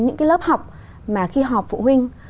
những cái lớp học mà khi họp phụ huynh